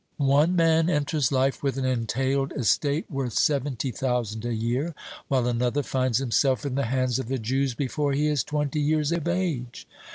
One man enters life with an entailed estate worth seventy thousand a year, while another finds himself in the hands of the Jews before he is twenty years of age.